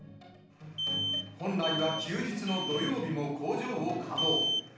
本来は休日の土曜日も工場を稼働。